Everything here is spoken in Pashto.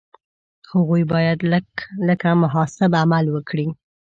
هغوی باید لکه محاسب عمل وکړي.